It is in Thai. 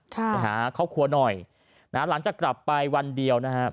ค่ะครอบครัวหน่อยหลังจากกลับไปวันเดียวนะฮะ